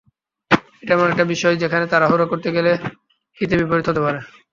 এটা এমন একটা বিষয়, যেখানে তাড়াহুড়া করতে গেলে হিতে বিপরীত হতে পারে।